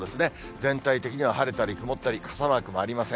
全体的には晴れたり曇ったり、傘マークもありません。